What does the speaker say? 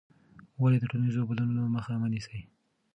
ولې د ټولنیزو بدلونونو مخه مه نیسې؟